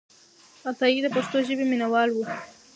عطایي د پښتو ژبې مینهوال و.